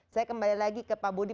saya kembali lagi ke pak budi